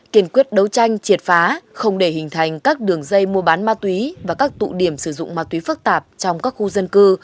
kiên quyết đấu tranh triệt phá không để hình thành các đường dây mua bán ma túy và các tụ điểm sử dụng ma túy phức tạp trong các khu dân cư